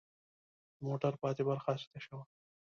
د موټر پاتې برخه هسې تشه وه.